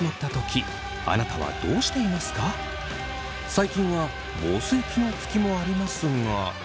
最近は防水機能付きもありますが。